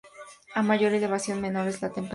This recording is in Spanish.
A mayor elevación, menor es la temperatura.